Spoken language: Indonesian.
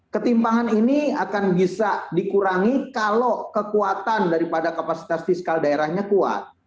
ketimpangan ini akan bisa dikurangi kalau kekuatan daripada kapasitas fiskal daerahnya kuat